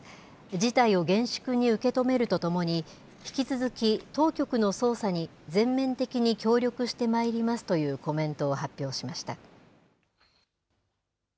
事態を厳粛に受け止めるとともに、引き続き当局の捜査に、全面的に協力してまいりますというコメントを発表しました。